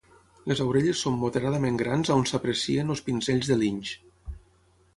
Les orelles són moderadament grans on s'aprecien els pinzells de linx.